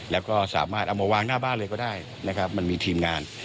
แล้วก็สามารถเอามาวางหน้าบ้านเลยก็ได้นะครับมันมีทีมงาน